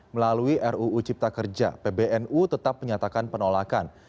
melalui ruu cipta kerja pbnu tetap menyatakan penolakan